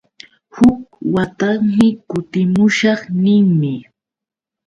Huk watarqmi kutimushaq ninmi.